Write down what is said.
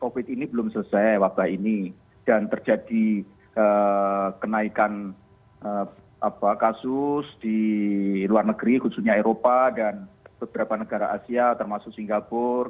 covid ini belum selesai wabah ini dan terjadi kenaikan kasus di luar negeri khususnya eropa dan beberapa negara asia termasuk singapura